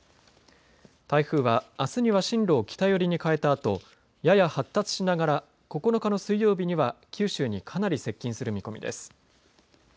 台風はあすには進路を北寄りに変えたあとやや発達しながら９日の水曜日には九州にかなり接近する見込みです。